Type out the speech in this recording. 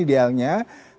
kemudian juga cicilan